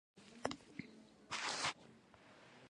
کېدای شي درملنه یې درې یا هم شپږ میاشتې وخت ونیسي.